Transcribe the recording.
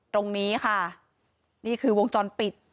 ตรงนี้ค่ะนี่คือวงจรปิด